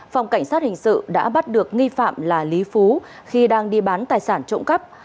phòng cảnh sát hình sự đã bắt được nghi phạm là lý phú khi đang đi bán tài sản trộm cắp